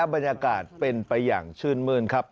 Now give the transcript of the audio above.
บรรยากาศเป็นไปอย่างชื่นมื้นครับ